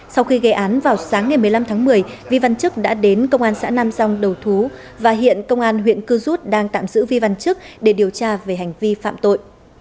sau khi gây án vào sáng ngày một mươi năm tháng một mươi vi văn chức đã đến công an xã nam rong đầu thú và hiện công an huyện cư rút đang tạm giữ vi văn chức để điều tra về hành vi phạm tội